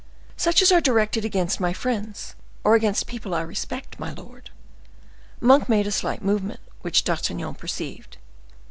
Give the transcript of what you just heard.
"Such as are directed against my friends or against people I respect, my lord!" Monk made a slight movement, which D'Artagnan perceived.